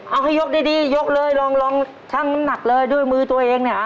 เอาให้ยกดียกเลยลองชั่งน้ำหนักเลยด้วยมือตัวเองเนี่ย